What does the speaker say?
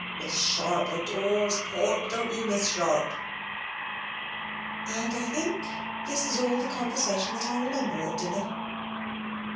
Miss Sharp adores pork, don't you, Miss Sharp?" And I think this is all the conversation that I remember at dinner.